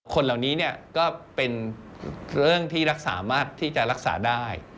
คนเหล่านี้ก็เป็นเรื่องที่รักษามากที่จะรักษาได้